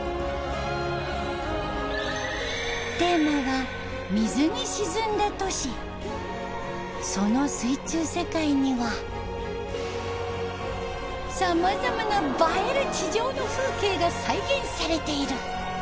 テーマはその水中世界にはさまざまな映える地上の風景が再現されている。